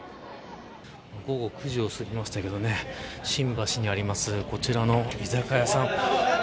午後９時を過ぎましたけれど新橋にあるこちらの居酒屋さん